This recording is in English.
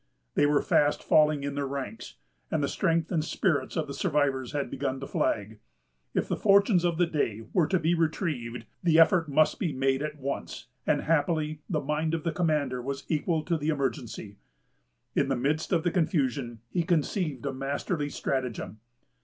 They were fast falling in their ranks, and the strength and spirits of the survivors had begun to flag. If the fortunes of the day were to be retrieved, the effort must be made at once; and happily the mind of the commander was equal to the emergency. In the midst of the confusion he conceived a masterly stratagem.